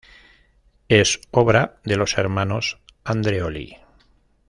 Es obra de los hermanos Andreoli.